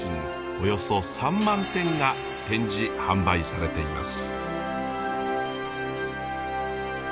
およそ３万点が展示販売されています。